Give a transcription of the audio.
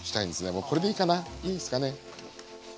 もうこれでいいかないいですかね。